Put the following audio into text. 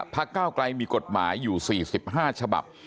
พระเก้ากลายมีกฎหมายอยู่๔๕ฉบับ